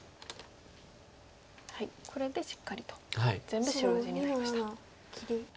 これでしっかりと全部白地になりました。